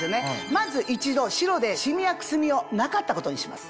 まず一度白でシミやくすみをなかったことにします。